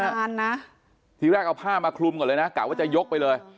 นานนะทีแรกเอาผ้ามาคลุมก่อนเลยนะกะว่าจะยกไปเลย